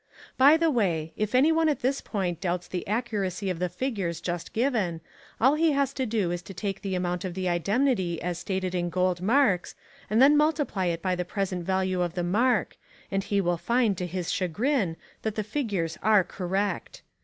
By the way, if any one at this point doubts the accuracy of the figures just given, all he has to do is to take the amount of the indemnity as stated in gold marks and then multiply it by the present value of the mark and he will find to his chagrin that the figures are correct.